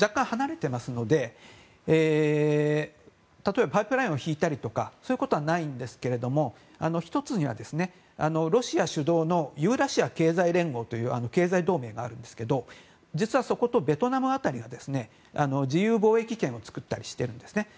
若干離れていますので例えばパイプラインを引いたりそういうことはないんですけど１つにはロシア主導のユーラシア経済連合という経済同盟があるんですけど実はそことベトナム辺りが自由貿易圏を作ったりしてるんですね。